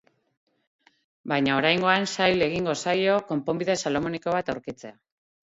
Baina oraingoan zail egingo zaio konponbide salomoniko bat aurkitzea.